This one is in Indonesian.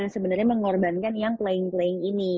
sebenarnya mengorbankan yang playing playing ini